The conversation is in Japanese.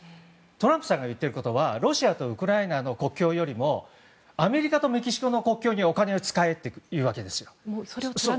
トランプさんが言っていることはロシアとウクライナの国境よりもアメリカとメキシコの国境にお金を使えと言っているんです。